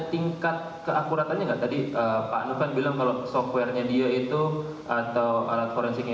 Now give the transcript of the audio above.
tingkat keakuratannya enggak tadi pak nufan bilang kalau softwarenya dia itu atau alat forensiknya